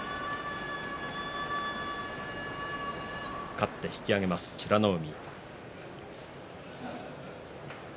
勝って引き揚げる美ノ海。